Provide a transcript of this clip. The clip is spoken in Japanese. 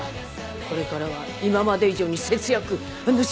これからは今まで以上に節約＆仕事よ。